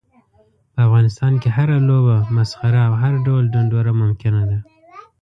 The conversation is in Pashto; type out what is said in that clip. په افغانستان کې هره لوبه، مسخره او هر ډول ډنډوره ممکنه ده.